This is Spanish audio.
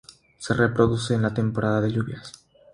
Se reproduce en la temporada de lluvias.